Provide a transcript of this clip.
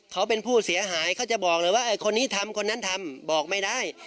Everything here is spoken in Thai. เขาเป็นผู้เสียหายเขาจะบอกเลยว่าคนนี้ทำคนนั้นทำบอกไม่ได้